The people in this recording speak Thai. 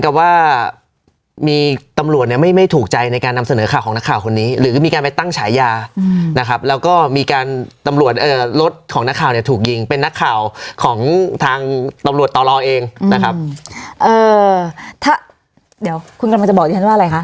เดี๋ยวคุณกำลังจะบอกเลยนะครับว่าอะไรคะ